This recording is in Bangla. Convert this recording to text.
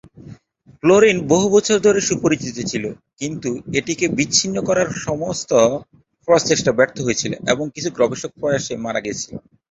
ফ্লোরিন বহু বছর ধরে সুপরিচিত ছিল, কিন্তু এটিকে বিচ্ছিন্ন করার সমস্ত প্রচেষ্টা ব্যর্থ হয়েছিল, এবং কিছু গবেষক প্রয়াসে মারা গিয়েছিল।